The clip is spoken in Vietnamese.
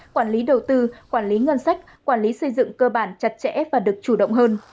quản lý đầu tư quản lý ngân sách quản lý xây dựng cơ bản chặt chẽ và được chủ động hơn